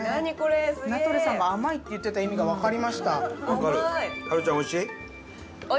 名取さんが「甘い」って言ってた意味がわかりました。